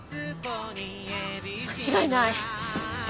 間違いない。